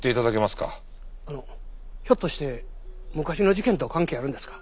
あのひょっとして昔の事件と関係あるんですか？